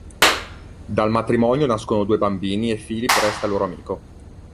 Dal matrimonio nascono due bambini e Philip resta loro amico.